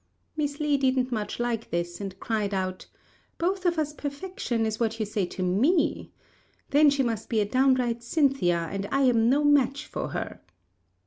Miss Li didn't much like this, and cried out, "Both of us perfection is what you say to me. Then she must be a downright Cynthia, and I am no match for her."